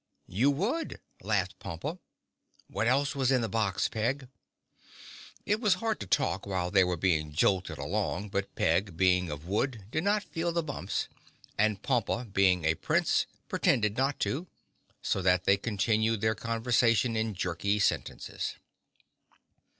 "You would," laughed Pompa. "What else was in the box, Peg?" It was hard to talk while they were being jolted along, but Peg, being of wood, did not feel the bumps and Pompa, being a Prince, pretended not to, so that they continued their conversation in jerky sentences.